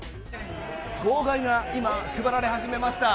号外が今、配られ始めました。